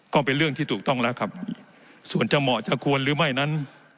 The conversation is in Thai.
ก็เป็นเรื่องที่ถูกต้องแล้วครับส่วนจะเหมาะจะควรหรือไม่นั้น